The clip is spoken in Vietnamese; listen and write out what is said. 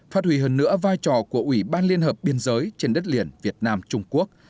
phát hủy hơn nữa vai trò của ủy ban liên hợp biên giới trên đất liền việt nam trung quốc